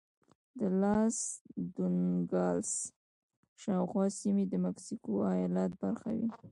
د لاس دو نوګالس شاوخوا سیمې د مکسیکو ایالت برخه وې.